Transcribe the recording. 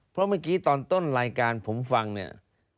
เพราะเมื่อกี้ตอนต้นรายการผมฟังเนี่ย